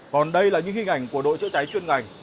còn đây là những hình ảnh của đội chữa cháy chuyên ngành